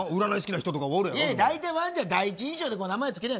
大体ワンちゃんは第一印象で名前、付けるやん。